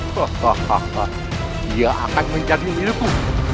dia akan menjadi milikku